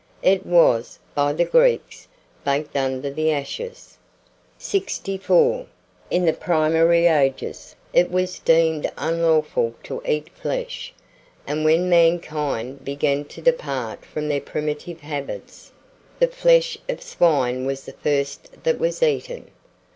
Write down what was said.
It was, by the Greeks, baked under the ashes. 64. IN THE PRIMARY AGES it was deemed unlawful to eat flesh, and when mankind began to depart from their primitive habits, the flesh of swine was the first that was eaten.